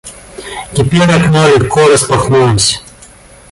Теперь окно легко распахнулось.